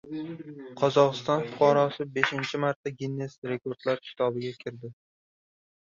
Qozog‘iston fuqarosi beshinchi marta Ginnes rekordlar kitobiga kirdi